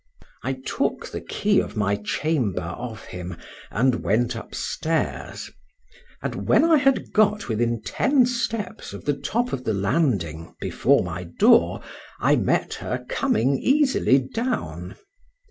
I took the key of my chamber of him, and went upstairs; and when I had got within ten steps of the top of the landing before my door, I met her coming easily down.